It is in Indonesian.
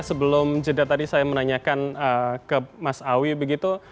sebelum jeda tadi saya menanyakan ke mas awi begitu